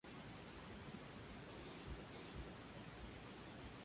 Su esposo, furioso, sacó un cuchillo y lo apuñaló.